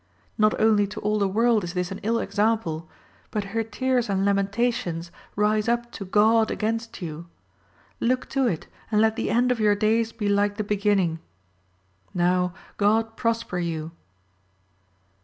Not only to all the world is this an ill example, but hei tears and lamentations rise up to God against you Look to it, and let the end of your days be like th« beginning. Now God prosper you